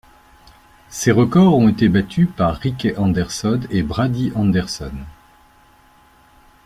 Ces record ont été battus par Rickey Henderson et Brady Anderson.